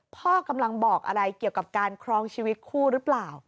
พ่อกำลังบอกอะไรเกี่ยวกับการครองชีวิตคู่หรือเปล่า